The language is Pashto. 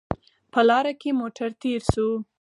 په لاره کې موټر تېر شو